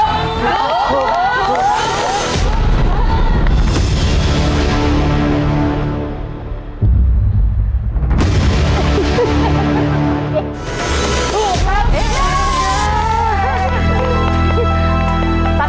ถูกครับ